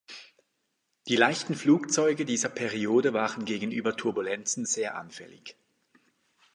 Die leichten Flugzeuge dieser Periode waren gegenüber Turbulenzen sehr anfällig.